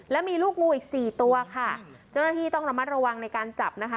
และมีลูกงูอีกสี่ตัวค่ะเจ้าหน้าที่ต้องระมัดระวังในการจับนะคะ